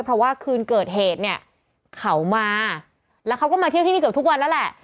เพราะว่าคืนเกิดเหตุเนี่ยเขามาแล้วเขาก็มาเที่ยวที่นี่เกือบทุกวันแล้วแหละ